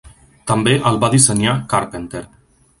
També el va dissenyar Carpenter.